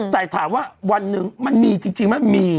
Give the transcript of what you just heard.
แต่ถามว่าวันหนึ่งมันมีจริงไหมมี